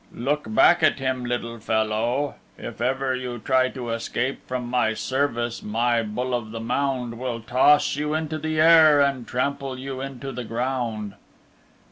Look back at him, little fellow. If ever you try to escape from my service my Bull of the Mound will toss you into the air and trample you into the ground."